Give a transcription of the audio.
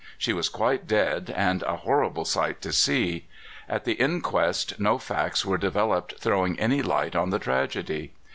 She was quite dead, and a horrible sight to see. At the inquest no facts were devel oped throwing any light on the tragedy.